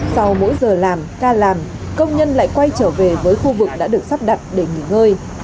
sau mỗi giờ làm ca làm công nhân lại quay trở về với khu vực đã được sắp đặt để nghỉ ngơi